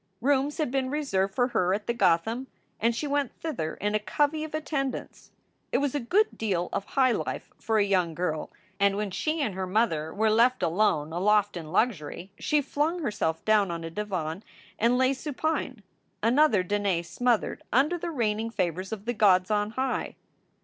Rooms had been reserved for her at the Gotham, and she went thither in a covey of attendants. It was a good deal of high life for a young girl, and when she and her mother were left alone aloft in luxury, she flung herself down on a divan and lay supine, another Danae smothered under the raining favors of the gods on high.